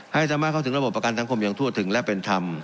ให้สามารถเข้าถึงระบบประกันสังคมอย่างทั่วถึงและเป็นธรรม